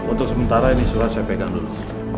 untuk sementara ini surat saya pegang dulu